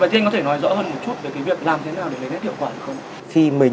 về việc làm thế nào để lấy nét hiệu quả được không